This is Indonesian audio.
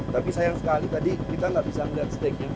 tapi sayang sekali tadi kita nggak bisa melihat steaknya